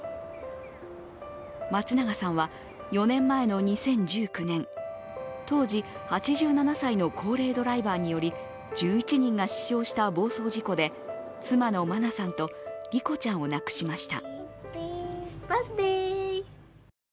松永さんは４年前の２０１９年、当時８７歳の高齢ドライバーにより１１人が死傷した暴走事故で妻の真菜さんと莉子ちゃんを亡くしました。